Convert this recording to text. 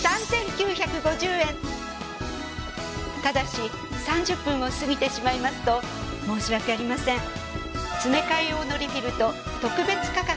ただし３０分を過ぎてしまいますと申し訳ありません。